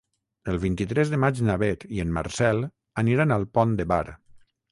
El vint-i-tres de maig na Beth i en Marcel aniran al Pont de Bar.